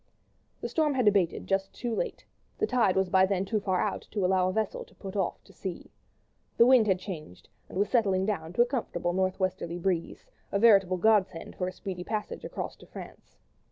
The storm had abated just too late; the tide was by then too far out to allow a vessel to put off to sea. The wind had changed, and was settling down to a comfortable north westerly breeze—a veritable godsend for a speedy passage across to France.